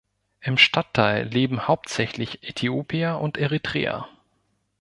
Im Stadtteil leben hauptsächlich Äthiopier und Eritreer.